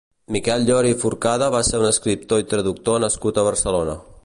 Miquel Llor i Forcada va ser un escriptor i traductor nascut a Barcelona.